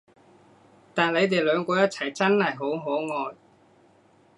但你哋兩個一齊真係好可愛